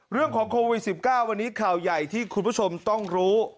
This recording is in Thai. เรื่องของโควิด๑๙วันนี้ข่าวใหญ่ที่คุณผู้ชมต้องรู้